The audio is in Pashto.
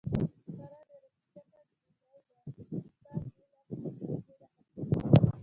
ساره ډېره شیشکه نجیلۍ ده، هېڅ کار بې له لانجې نه ختموي.